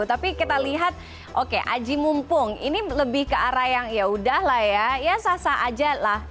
tapi kita lihat oke aji mumpung ini lebih ke arah yang yaudahlah ya ya sah sah aja lah